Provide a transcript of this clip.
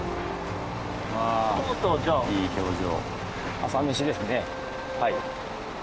いい表情。